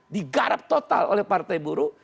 digarap total oleh partai buruh